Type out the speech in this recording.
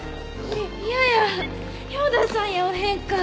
いやや兵藤さんやおへんか。